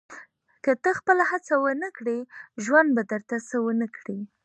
• که ته خپله هڅه ونه کړې، ژوند به درته څه ونه کړي.